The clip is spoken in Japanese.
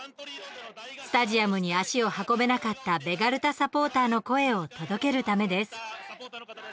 スタジアムに足を運べなかったベガルタサポーターの声を届けるためです。